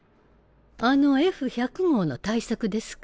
あのＦ１００号の大作ですか？